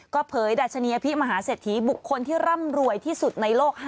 ก็เผยดัชนียพิมหาเศรษฐีบุคคลที่ร่ำรวยที่สุดในโลก๕๗